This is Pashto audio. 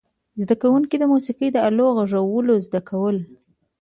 زده کوونکو د موسیقي د آلو غږول زده کول.